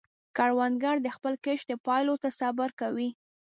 کروندګر د خپل کښت پایلو ته صبر کوي